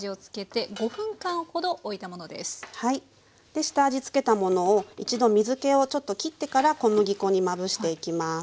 で下味付けたものを一度水けをちょっときってから小麦粉にまぶしていきます。